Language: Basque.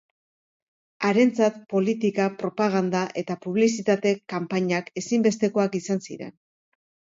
Harentzat politika-propaganda eta publizitate-kanpainak ezinbestekoak izan ziren.